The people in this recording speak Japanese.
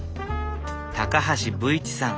高橋武市さん。